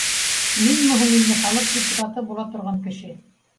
Минме һуң инде халыҡ депутаты була торған кеше